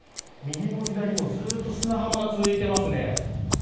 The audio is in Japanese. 右も左もずっと砂浜が続いていますね。